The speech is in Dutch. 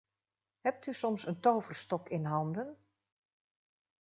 Hebt u soms een toverstok in handen?